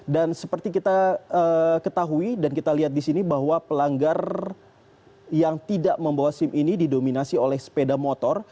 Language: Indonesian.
dan seperti kita ketahui dan kita lihat disini bahwa pelanggar yang tidak membawa sim ini didominasi oleh sepeda motor